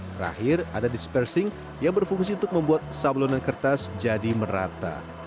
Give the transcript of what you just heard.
terakhir ada dispersing yang berfungsi untuk membuat sablonan kertas jadi merata